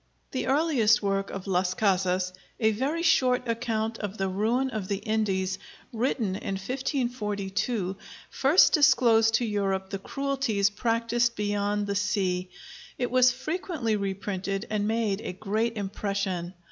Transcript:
The earliest work of Las Casas, 'A Very Short Account of the Ruin of the Indies,' written in 1542, first disclosed to Europe the cruelties practiced beyond the sea. It was frequently reprinted, and made a great impression.